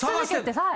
はい。